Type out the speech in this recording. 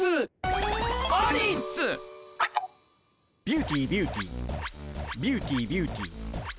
ビューティービューティービューティービューティー。